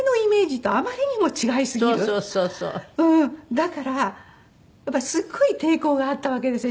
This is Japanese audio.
だからすごい抵抗があったわけですよ